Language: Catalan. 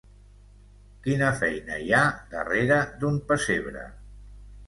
Quina feina hi ha darrere d’un pessebre?